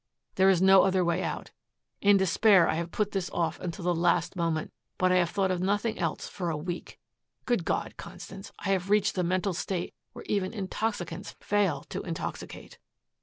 There is no other way out. In despair I have put this off until the last moment. But I have thought of nothing else for a week. Good God, Constance, I have reached the mental state where even intoxicants fail to intoxicate."